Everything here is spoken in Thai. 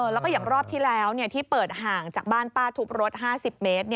แล้วก็อย่างรอบที่แล้วที่เปิดห่างจากบ้านป้าทุบรถ๕๐เมตร